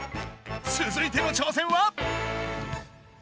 つづいての挑戦は。